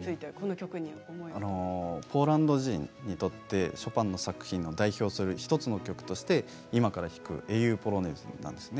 ポーランド人にとってショパンの作品の代表する１つの曲として今から弾く「英雄ポロネーズ」なんですね。